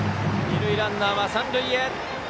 二塁ランナーは三塁へ。